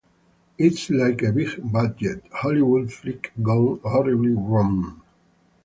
It's like a big-budget Hollywood flick gone horribly wrong.